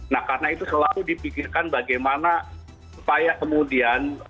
nah karena itu selalu dipikirkan bagaimana supaya kemudian